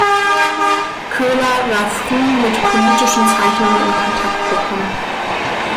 Köhler war früh mit politischen Zeichnungen in Kontakt gekommen.